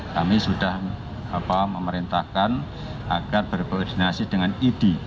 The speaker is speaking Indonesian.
kami sudah memerintahkan agar berkoordinasi dengan idi